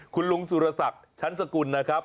คุณลุงสุรษักฉันสกุลนะครับ